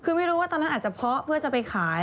คือไม่รู้ว่าตอนนั้นอาจจะเพาะเพื่อจะไปขาย